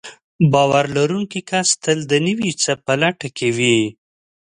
باور لرونکی کس تل د نوي څه په لټه کې وي.